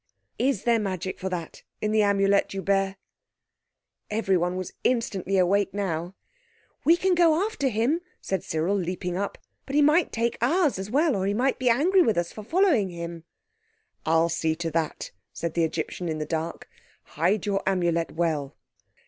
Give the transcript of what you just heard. Is there magic for that in the Amulet you bear?" Everyone was instantly awake by now. "We can go after him," said Cyril, leaping up; "but he might take ours as well; or he might be angry with us for following him." "I'll see to that," said the Egyptian in the dark. "Hide your Amulet well."